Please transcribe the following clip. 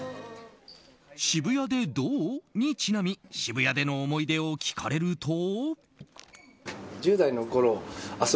「渋谷でどう？」にちなみ渋谷での思い出を聞かれると。